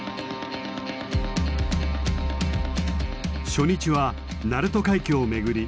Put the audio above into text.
初日は鳴門海峡を巡り